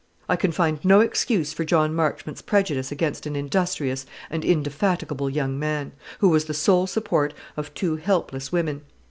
I can find no excuse for John Marchmont's prejudice against an industrious and indefatigable young man, who was the sole support of two helpless women.